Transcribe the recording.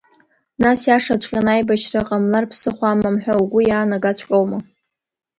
Нас иашаҵәҟьаны аибашьра ҟамлар ԥсыхәа амам ҳәа угәы иаанагаҵәҟьоума?